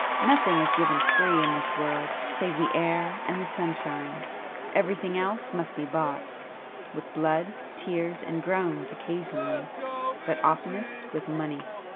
Nothing is given free in this world save the air and the sunshine,—everything else must be bought,—with blood, tears and groans occasionally,—but oftenest with money."